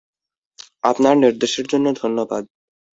আপনার নির্দেশের জন্য ধন্যবাদ।